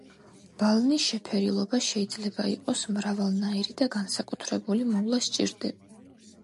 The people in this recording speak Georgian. ბალნის შეფერილობა შეიძლება იყოს მრავალნაირი და განსაკუთრებული მოვლა სჭირდება.